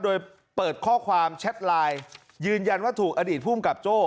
โดยเปิดข้อความแชทไลน์ยืนยันว่าถูกอดีตภูมิกับโจ้